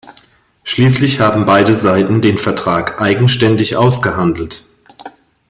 Schließlich haben beide Seiten den Vertrag eigenständig ausgehandelt.